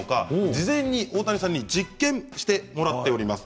事前に大谷さんに実験してもらっています。